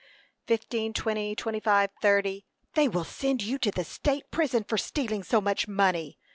"Fifteen, twenty, twenty five, thirty " "They will send you to the state prison for stealing so much money!"